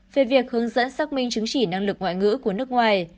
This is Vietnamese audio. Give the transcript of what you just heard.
về việc hướng dẫn xác minh chứng chỉ năng lực ngoại ngữ của nước ngoài